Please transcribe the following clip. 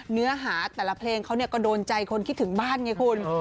เนื้อหาแต่ละเพลงเขาก็โดนใจคนคิดถึงบ้านไงคุณ